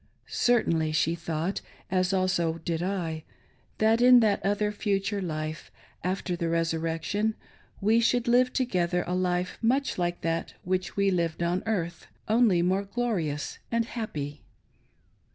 Certainly, she thought, as also did I, that in that other, future life, after the resurrection, we should live together a life much like that which we lived on earth, only more glorious and happy.